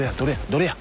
どれや？